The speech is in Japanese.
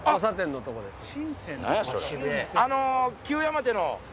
旧山手の。